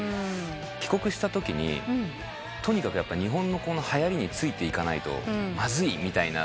帰国したときにとにかく日本のはやりについていかないとまずいみたいな。